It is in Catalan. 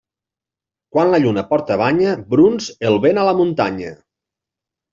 Quan la lluna porta banya, brunz el vent a la muntanya.